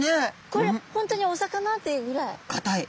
これ本当にお魚？っていうぐらい。